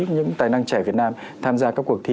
những tài năng trẻ việt nam tham gia các cuộc thi